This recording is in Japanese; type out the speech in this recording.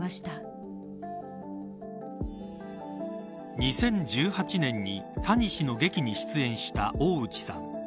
２０１８年に谷氏の劇に出演した大内さん。